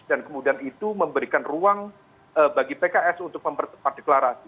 dan kemudian itu memberikan ruang bagi pks untuk memperdeklarasi